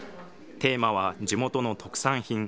テーマは地元の特産品。